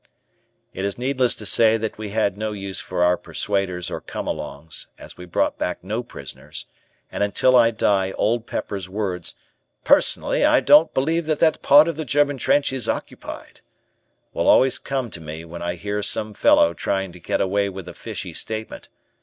It is needless to say that we had no use for our persuaders or come alongs, as we brought back no prisoners, and until I die Old Pepper's words, "Personally I don't believe that that part of the German trench is occupied," will always come to me when I hear some fellow trying to get away with a fishy statement.